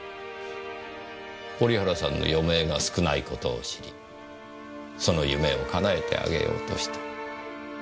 織原さんの余命が少ない事を知りその夢を叶えてあげようとした。